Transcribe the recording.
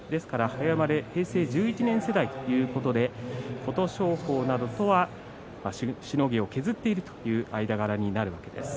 早生まれ、平成１１年世代ということで琴勝峰らとしのぎを削っているということになります。